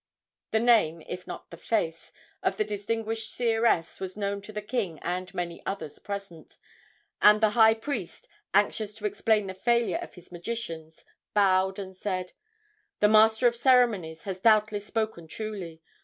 The name, if not the face, of the distinguished seeress was known to the king and many others present, and the high priest, anxious to explain the failure of his magicians, bowed and said: "The master of ceremonies has doubtless spoken truly.